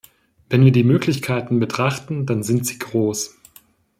Wenn wir die Möglichkeiten betrachten, dann sind sie groß.